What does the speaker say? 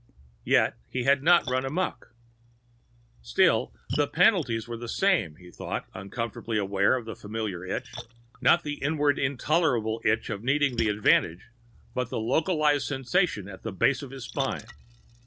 Yet he had not run amok. Still, the penalties were the same, he thought, uncomfortably aware of an unfamiliar itch not the inward intolerable itch of needing the advantage, but a localized sensation at the base of his spine.